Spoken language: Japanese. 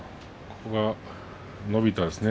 ここが伸びたんですね。